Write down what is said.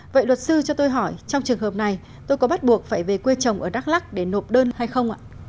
vậy luật sư cho tôi hỏi trong trường hợp này tôi có bắt buộc phải về quê chồng ở đắk lắc để nộp đơn hay không ạ